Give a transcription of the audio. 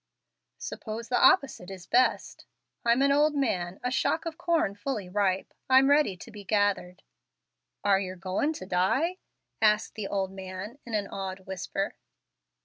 "Suppose the opposite is best? I'm an old man a shock of corn fully ripe. I'm ready to be gathered." "Are yer goin' to die?" asked the old man, in an awed whisper.